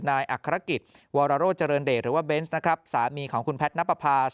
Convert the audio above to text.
อัครกิจวรโรเจริญเดชหรือว่าเบนส์นะครับสามีของคุณแพทย์นับประพา